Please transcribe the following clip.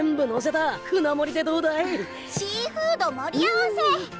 シーフード盛り合わせ！